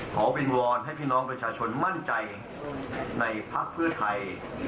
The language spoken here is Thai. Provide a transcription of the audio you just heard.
ขอเป็นวอนให้พี่น้องประชาชนมั่นใจในพักเพื่อไทย